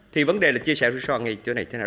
thì vấn đề là chia sẻ rủi ro ngay chỗ này thế nào